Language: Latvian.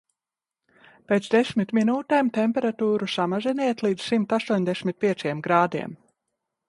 Pēc desmit minūtēm temperatūru samaziniet līdz simt astoņdesmit pieciem grādiem.